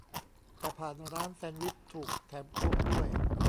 แต่ผ่านร้านแซนด์วิชถูก แถมโค้กด้วย